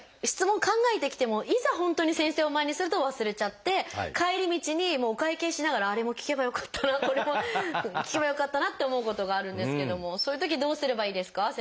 質問を考えてきてもいざ本当に先生を前にすると忘れちゃって帰り道にお会計しながら「あれも聞けばよかったなこれも聞けばよかったな」って思うことがあるんですけどもそういうときどうすればいいですか？